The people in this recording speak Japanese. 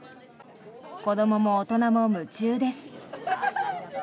子どもも大人も夢中です。